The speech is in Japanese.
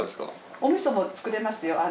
お味噌も作れますよ。